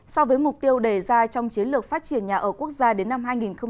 so với mục tiêu đề ra trong chiến lược phát triển nhà ở quốc gia đến năm hai nghìn ba mươi